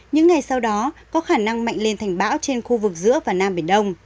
những ngày sau đó có khả năng mạnh lên thành bão trên khu vực giữa và nam biển đông